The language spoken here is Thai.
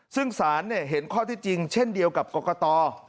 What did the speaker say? ซึ่งศาลเห็นข้อที่จริงเช่นเดียวกับกรกต